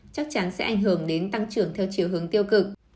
chắc chắn sẽ ảnh hưởng đến tăng trưởng theo chiều hướng tiêu cực